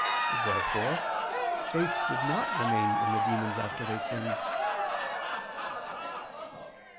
Therefore faith did not remain in the demons after they sinned. Obj.